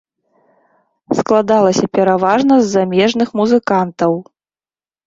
Складалася пераважна з замежных музыкантаў.